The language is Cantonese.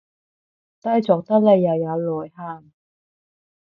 低俗得來又有內涵